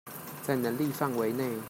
在能力範圍內